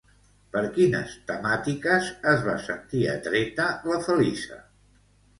Per quines temàtiques es va sentir atreta la Felisa?